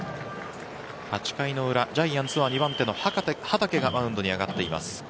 ８回の裏ジャイアンツは２番手の畠がマウンドに上がっています。